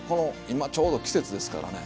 今ちょうど季節ですからね。